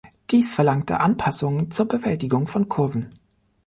Dies verlangte Anpassungen zur Bewältigung von Kurven.